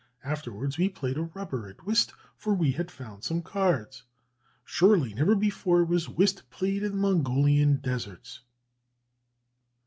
Afterwards we played a rubber at whist (for we had found some cards). Surely, never before was whist played in the Mongolian deserts!"